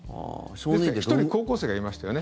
１人、高校生がいましたよね。